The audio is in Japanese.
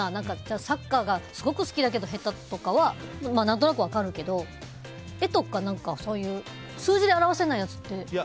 サッカーがすごく好きだけど下手とかは何となく分かるけど絵とか、そういう数字で表せないやつって。